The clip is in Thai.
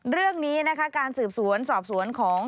เรื่องนี้นะคะการสืบสวนสอบสวนของ